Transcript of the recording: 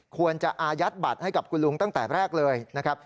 อายัดบัตรให้กับคุณลุงตั้งแต่แรกเลยนะครับ